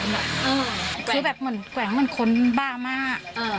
คือแบบเหมือนแกว่งเหมือนคนบ้ามาก